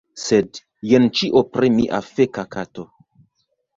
Sed, jen ĉio pri mia feka kato.